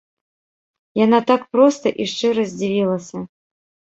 Яна так проста і шчыра здзівілася.